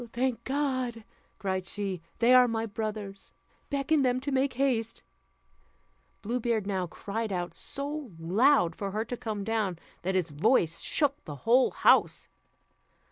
"Thank God," cried she, "they are my brothers; beckon them to make haste." Blue Beard now cried out so loud for her to come down, that his voice shook the whole house.